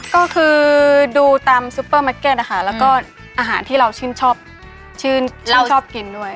ก็คือดูตามซุปเปอร์แมร์นะคะแล้วก็อาหารที่เราชื่นชอบกินด้วย